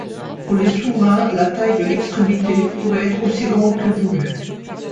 Pour les souverains, la taille de l'extrémité pouvait être aussi grande que voulu.